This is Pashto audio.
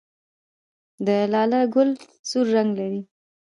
د لاله ګل سور رنګ لري